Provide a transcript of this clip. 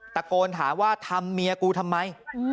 ตะโกนถามว่าทำเมียกูทำไม